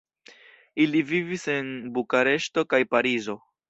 Ili vivis en Bukareŝto kaj Parizo.